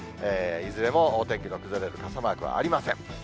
いずれもお天気の崩れる傘マークはありません。